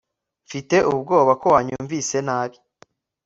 mfite ubwoba ko wanyumvise nabi